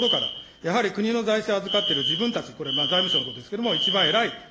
やはり国の財政を預かっている自分たち、これ、財務省のことですけれども、一番偉い。